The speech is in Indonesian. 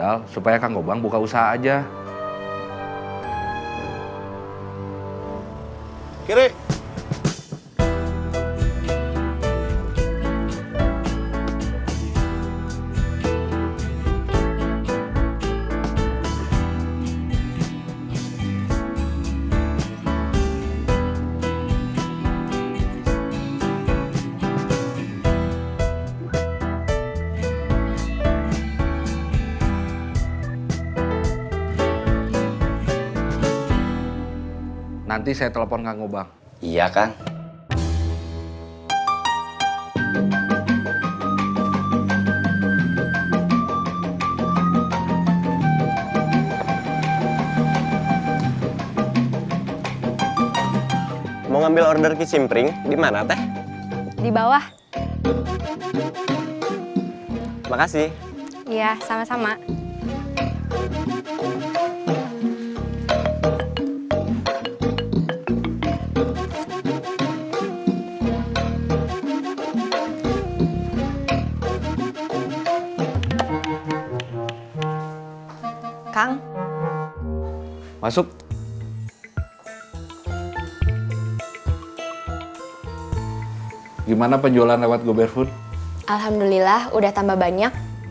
alhamdulillah udah tambah banyak